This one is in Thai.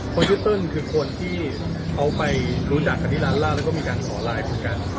คนชื่อเติ้ลคือคนที่เขาไปรู้จักกันที่ร้านเหล้าแล้วก็มีการขอไลน์คุยกัน